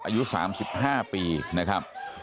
อายุ๓๕ปีนะครับ